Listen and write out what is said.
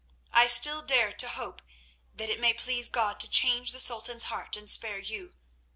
I still dare to hope that it may please God to change the Sultan's heart and spare you.